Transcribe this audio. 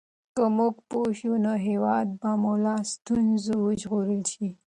که موږ پوه شو نو هېواد به مو له ستونزو وژغورل شي.